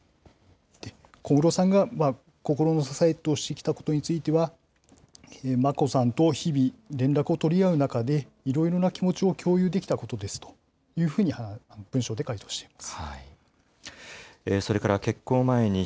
小室さんが心の支えとしてきたことについては、眞子さんと日々、連絡を取り合う中で、いろいろな気持ちを共有できたことですというふうに文書で回答しています。